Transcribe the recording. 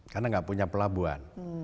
karena gak punya pelabuhan